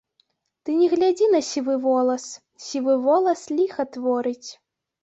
Ты не глядзі на сівы волас, сівы волас ліха творыць.